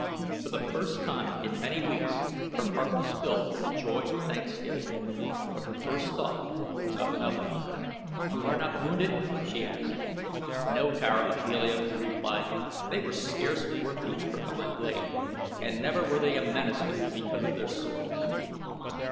For the first time in many weeks her heart was filled with the joy of thanksgiving; but her first thought was of another. "You are not wounded?" she asked. "No, Tara of Helium," he replied. "They were scarce worth the effort of my blade, and never were they a menace to me because of their swords."